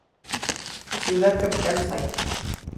Ciudad Capital: St.